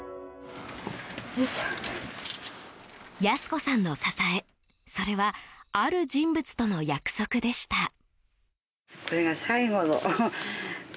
保子さんの支えそれはある人物との約束でした。